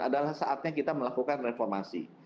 adalah saatnya kita melakukan reformasi